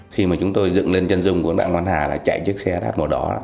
khi mà chúng tôi dựng lên chân rung của đoạn văn hà là chạy chiếc xe đắt màu đỏ